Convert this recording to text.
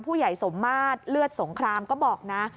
ผู้ใหญ่สมมาตรเลือดสงครามก็บอกนะ